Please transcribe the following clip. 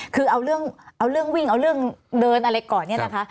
คือเอาเรื่องวิ่งเอาเรื่องเดินอะไรก่อนเนี่ยนะคะ